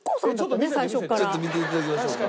ちょっと見て頂きましょうか。